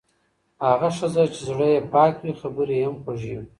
هغه ښځه چې زړه يې پاک وي، خبرې يې هم خوږې وي.